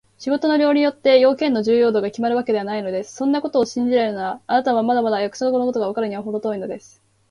仕事の量によって、用件の重要度がきまるのではないのです。そんなことを信じられるなら、あなたはまだまだ役所のことがわかるのにはほど遠いのです。